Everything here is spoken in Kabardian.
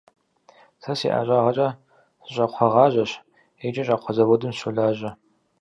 Сэ си ӏэщӏагъэкӏэ сыщӏакхъуэгъажьэщ икӏи щӏакхъуэ заводым сыщолажьэ.